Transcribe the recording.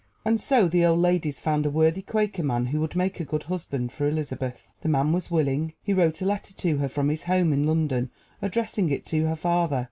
And so the old ladies found a worthy Quaker man who would make a good husband for Elizabeth. The man was willing. He wrote a letter to her from his home in London, addressing it to her father.